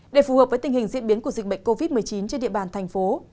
để phù hợp với tình hình diễn biến của dịch bệnh covid một mươi chín trên địa bàn thành phố